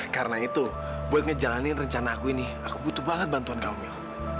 karena itu buat ngejalanin rencana aku ini aku butuh banget bantuan kamu mil